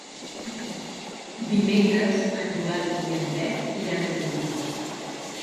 Dimecres en Joel i en Pep iran a Biure.